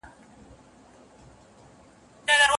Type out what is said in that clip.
هم لقمان مي ستړی کړی هم اکسیر د حکیمانو